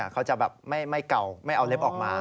เขาจะแบบไม่เก่าไม่เอาเล็บออกมา